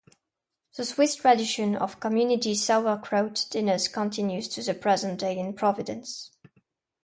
The Swiss tradition of community sauerkraut dinners continues to the present day in Providence.